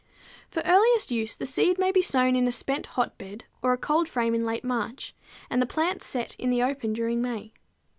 _ For earliest use the seed may be sown in a spent hotbed or a cold frame in late March, and the plants set in the open during May.